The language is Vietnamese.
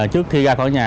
trước khi ra khỏi nhà